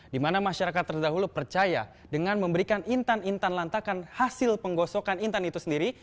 di mana masyarakat terdahulu percaya dengan memberikan intan intan lantakan hasil penggosokan intan itu sendiri